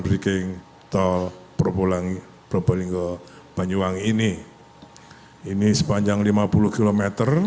jalan tol probolinggo besuki sepanjang tujuh puluh lima km